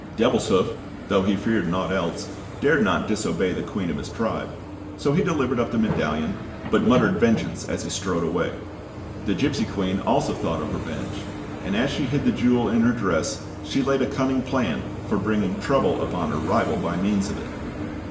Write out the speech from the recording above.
Devilshoof, though he feared naught else, dared not disobey the queen of his tribe, so he delivered up the medallion, but muttered vengeance as he strode away. The gipsy queen also thought of revenge; and as she hid the jewel in her dress, she laid a cunning plan for bringing trouble upon her rival by means of it.